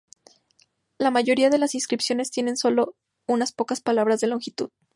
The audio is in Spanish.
La mayoría de las inscripciones tienen sólo unas pocas palabras de longitud.